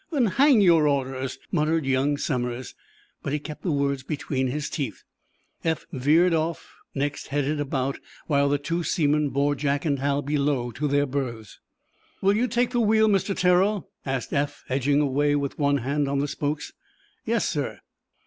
"Then hang your orders!" muttered young Somers, but he kept the words behind his teeth. Eph veered off, next headed about, while the two seamen bore Jack and Hal below to their berths. "Will you take the wheel, Mr. Terrell?" asked Eph, edging away, with one hand on the spokes. "Yes, sir."